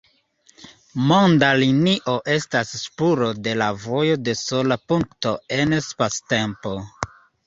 Monda linio estas spuro de la vojo de sola punkto en spactempo.